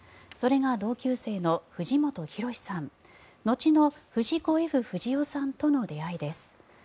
それが同級生の藤本弘さん後の藤子・Ｆ・不二雄さんとの出会いです。